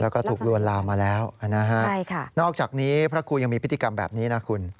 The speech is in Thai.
แล้วก็ถูกลวนลามมาแล้วนะฮะนอกจากนี้พระครูยังมีพฤติกรรมแบบนี้นะคุณ